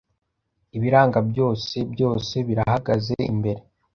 Ibiranga byose. Byose birahagaze imbere